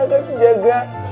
gue akan jaga